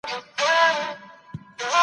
استاد محصلینو ته د څېړنې لاري ښودلې.